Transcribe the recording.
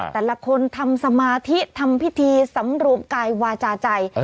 แต่ละคนทำสมาธิทำพิธีสำรวมกายวาจาใจ